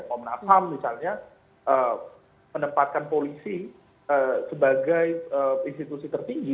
komnas ham misalnya menempatkan polisi sebagai institusi tertinggi